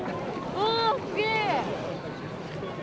おおすげえ。